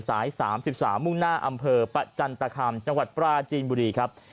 สาย๓๓มุ่งหน้าอำเภอประจันตคามจังหวัดปราจีนบุรีครับ